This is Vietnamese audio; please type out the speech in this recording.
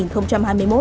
trong thời gian qua